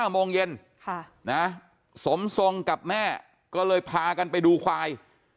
โมงเย็นสมทรงกับแม่ก็เลยพากันไปดูควาย